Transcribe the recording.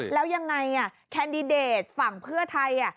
แล้วยังไงแคนดิเดตฝั่งเพื่อไทย